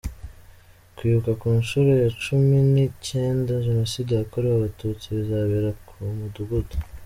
Kwibuka ku nshuro ya cumi ni cyenda Jenoside yakorewe Abatutsi bizabera ku mudugudu